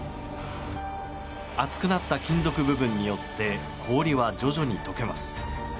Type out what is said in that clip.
熱くなった金属部分によって氷は徐々に解けます。